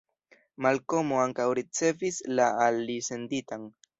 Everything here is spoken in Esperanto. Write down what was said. Malkomo ankaŭ ricevis la al li senditan.